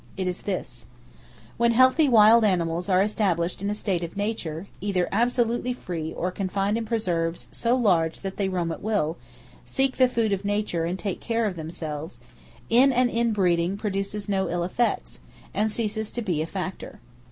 It is this: When healthy wild animals are established in a state of nature, either absolutely free, or confined in preserves so large that they roam at will, seek the food of nature and take care of themselves, in and in breeding produces no ill effects, and ceases to be a factor.